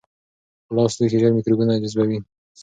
خلاص لوښي ژر میکروبونه جذبوي.